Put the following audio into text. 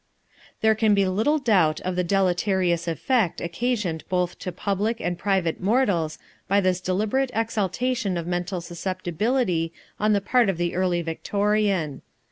There can be little doubt of the deleterious effect occasioned both to public and private morals by this deliberate exaltation of mental susceptibility on the part of the early Victorian.